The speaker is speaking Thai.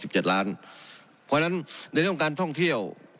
เพราะฉะนั้นในช่วงการท่องเที่ยว